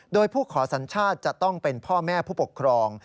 โดยผู้ขอสัญชาติจะต้องเป็นพ่อแม่ผู้ปกครอง